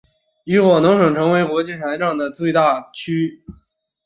与广东省成为对全国财政和中央财政贡献最大的地区。